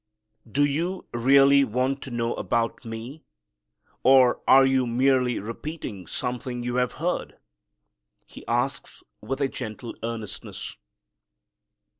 "Do you really want to know about Me, or are you merely repeating something you have heard?" He asks, with a gentle earnestness.